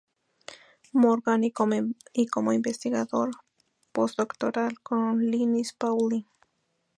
Morgan, y como investigador postdoctoral con Linus Pauling.